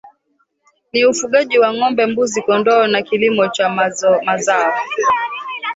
ni ufugaji wa Ngombe Mbuzi Kondoo na kilimo cha mazao